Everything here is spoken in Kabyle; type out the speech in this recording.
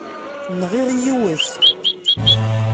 Nɣiɣ yiwet.